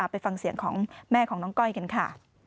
ไปฟังเสียงของแม่ของน้องก้อยกันค่ะ